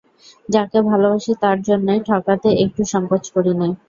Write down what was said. যাকে ভালোবাসি তার জন্যে ঠকাতে একটু সংকোচ করি নে।